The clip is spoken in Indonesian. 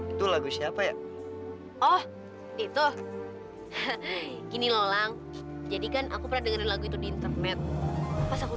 itu lagu siapa ya oh itu gini lolang jadikan aku pernah dengerin lagu itu di internet pas aku